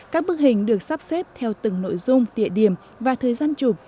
các bức hình được sắp xếp theo từng nội dung địa điểm và thời gian chụp